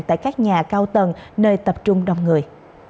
tại các nhà cao tầng nơi tập trung đông người